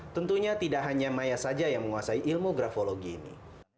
tentunya tidak hanya maya saja yang menguasai ilmu grafologi ini